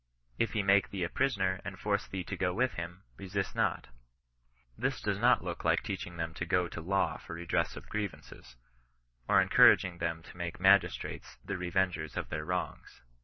If he make thee a 'prisoner and force thee to go with him^ resist not This does not look like teaching them to go to law for redress of grievances, or encouraging them to make magistrates the revengers of their wrongs.